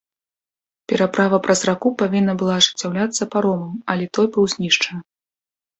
Пераправа праз раку павінна была ажыццяўляцца паромам, але той быў знішчаны.